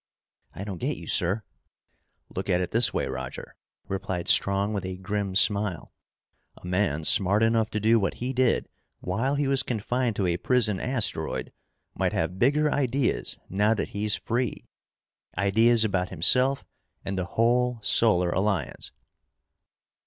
"I don't get you, sir." "Look at it this way, Roger," replied Strong with a grim smile. "A man smart enough to do what he did while he was confined to a prison asteroid might have bigger ideas now that he's free. Ideas about himself and the whole Solar Alliance!"